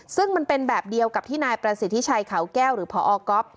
ซึ่งมันเป็นแบบเดียวกับที่นายประสิทธิชัยเขาแก้วหรือพอก๊อฟ